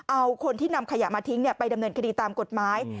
เอาคนที่นำขยะมาทิ้งไปดำเนินคดีตามกฎหมาย